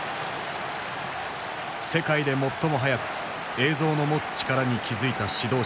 世界で最も早く映像の持つ力に気付いた指導者だった。